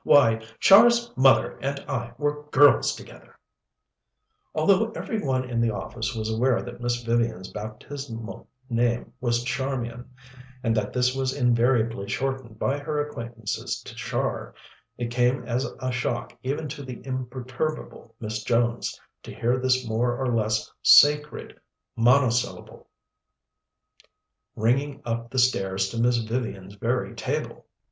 Why, Char's mother and I were girls together!" Although every one in the office was aware that Miss Vivian's baptismal name was Charmian, and that this was invariably shortened by her acquaintances to Char, it came as a shock even to the imperturbable Miss Jones to hear this more or less sacred monosyllable ringing up the stairs to Miss Vivian's very table.